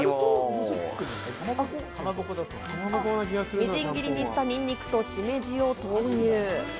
みじん切りにしたニンニクとしめじを投入。